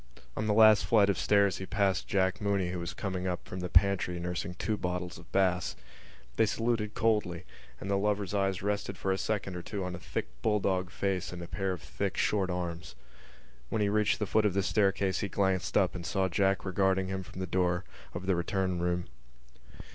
On the last flight of stairs he passed Jack Mooney who was coming up from the pantry nursing two bottles of Bass. They saluted coldly; and the lover's eyes rested for a second or two on a thick bulldog face and a pair of thick short arms. When he reached the foot of the staircase he glanced up and saw Jack regarding him from the door of the return room.